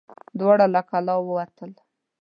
دواړه له کلا ووتل.